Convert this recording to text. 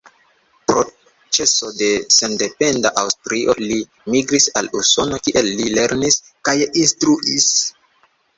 Pro ĉeso de sendependa Aŭstrio li migris al Usono, kie li lernis kaj instruis.